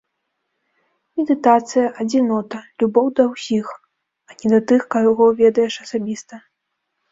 Медытацыя, адзінота, любоў да ўсіх, а не да тых, каго ведаеш асабіста.